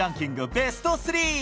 ベスト３。